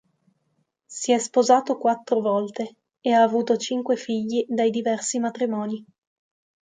Si è sposato quattro volte e ha avuto cinque figli dai diversi matrimoni.